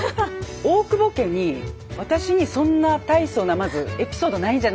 大久保家に私にそんな大層なまずエピソードないんじゃないかっていうのが。